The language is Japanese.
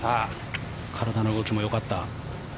体の動きも良かった。